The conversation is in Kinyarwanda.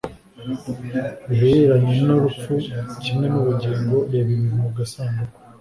bihereranye n urupfu kimwe n ubugingo Reba ibiri mu gasanduku